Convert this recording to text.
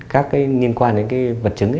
các cái liên quan đến cái vật chứng